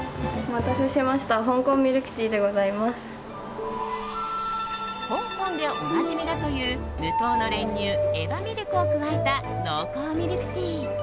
香港でおなじみだという無糖の練乳エバミルクを加えた濃厚ミルクティー。